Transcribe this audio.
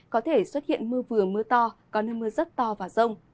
có thể xuất hiện mưa vừa mưa to có nơi mưa rất to và rông